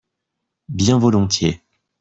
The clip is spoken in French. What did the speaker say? Bien volontiers.